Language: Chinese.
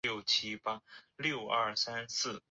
容迪亚是巴西阿拉戈斯州的一个市镇。